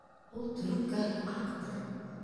Ул төрөпкәһен ҡаҡты.